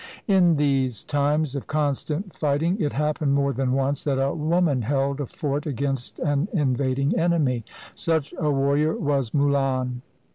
In these times of constant fighting, it happened more than once that a woman held a fort against an invading enemy. Such a warrior was Mulan.